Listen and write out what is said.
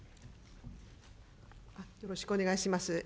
よろしくお願いします。